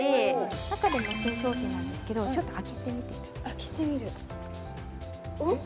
最近中でも新商品なんですけどちょっと開けてみて開けてみるうん？